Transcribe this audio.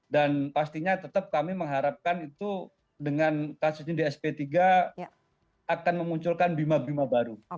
dan pastinya tetap kami mengharapkan itu dengan kasus ini di sp tiga akan memunculkan bima bima baru